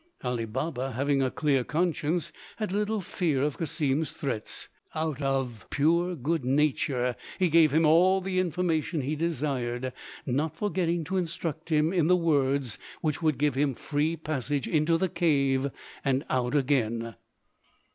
Ali Baba, having a clear conscience, had little fear of Cassim's threats; but out of pure good nature he gave him all the information he desired, not forgetting to instruct him in the words which would give him free passage into the cave and out again.